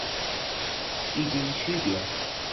异腈区别。